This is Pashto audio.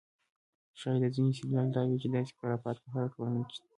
ښایي د ځینو استدلال دا وي چې داسې خرافات په هره ټولنه کې شته.